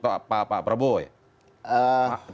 pak prabowo ya